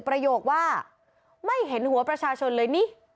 ประโยคว่าไม่เห็นหัวประชาชนเลยนี่